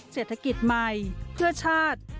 เศรษฐกิจใหม่เพื่อชาติ